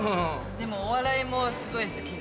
でもお笑いもすごい好きで。